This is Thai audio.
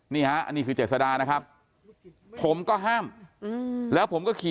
นี่ฮะอันนี้คือเจษดานะครับผมก็ห้ามแล้วผมก็ขี่